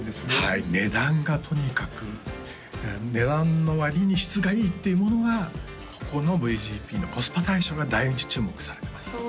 はい値段がとにかく値段の割に質がいいっていうものはここのＶＧＰのコスパ大賞が大注目されてます